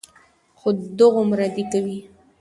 خو دغومره دې کوي،